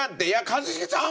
一茂さん